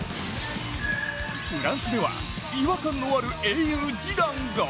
フランスでは違和感のある英雄・ジダンが。